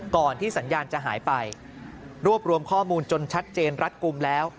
ก่อนที่สัญญาณจะหายไปรวบรวมข้อมูลจนชัดเจนรัดกลุ่มแล้ว